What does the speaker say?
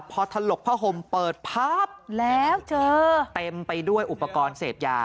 พอถลกผ้าห่มเปิดพับแล้วเจอเต็มไปด้วยอุปกรณ์เสพยา